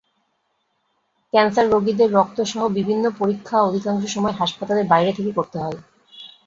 Cancer রোগীদের রক্তসহ বিভিন্ন পরীক্ষা অধিকাংশ সময় হাসপাতালের বাইরে থেকে করতে হয়।